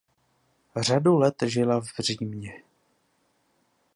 Řadu let žila v Římě.